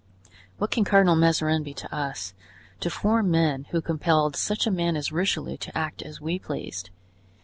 What can Cardinal Mazarin be to us, to four men who compelled such a man as Richelieu to act as we pleased?